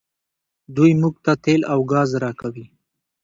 دوی موږ ته تیل او ګاز راکوي.